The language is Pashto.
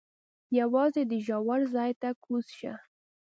یوازې دې ژور ځای ته کوز شه.